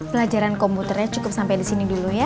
pelajaran komputernya cukup sampai di sini dulu ya